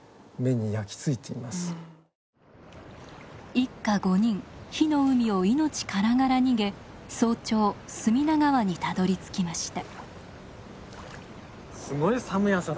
一家５人火の海を命からがら逃げ早朝隅田川にたどりつきました。